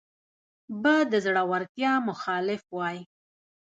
به د زړورتیا مخالف وای